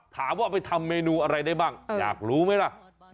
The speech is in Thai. ถามว่าไปทำเมนูอะไรได้บ้างอยากรู้ไหมล่ะ